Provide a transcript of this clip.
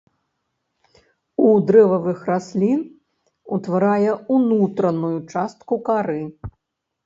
У дрэвавых раслін утварае ўнутраную частку кары.